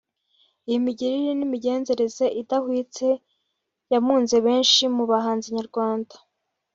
Iyi migirire n’imigenzereze idahwitse yamunze benshi mu bahanzi nyarwanda